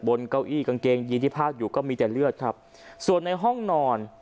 เก้าอี้กางเกงยีนที่พากอยู่ก็มีแต่เลือดครับส่วนในห้องนอน